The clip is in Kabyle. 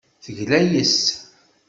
Tegla yes-s.